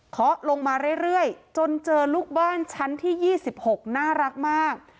เขาลงมาเรื่อยจนเจอลูกบ้านชั้นที่๒๖น่ารักมาก